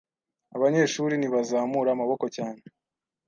Abanyeshuri ntibazamura amaboko cyane.